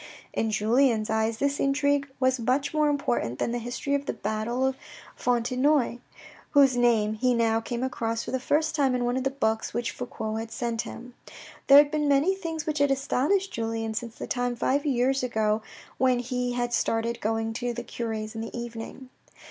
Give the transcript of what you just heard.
In Julien's eyes this intrigue was much more important than the history of the battle of Fontenoy, whose name he now came across for the first time in one of the books which Fouque had sent him. There had been many things which had astonished Julien since the time five years ago when he had started going to the cure's in the evening.